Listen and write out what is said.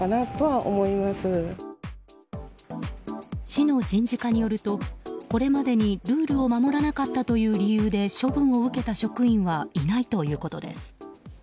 市の人事課によるとこれまでにルールを守らなかったという理由で処分を受けた職員はいないということです。